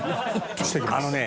「あのね」